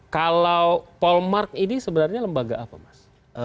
kalau polmark ini sebenarnya lembaga apa mas